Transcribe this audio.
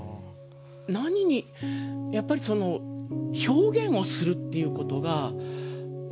何にやっぱりその表現をするっていうことが分かってないね